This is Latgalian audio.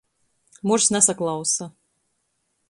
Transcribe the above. Murs nasaklausa.